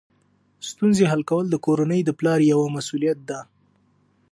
ستونزې حل کول د کورنۍ د پلار یوه مسؤلیت ده.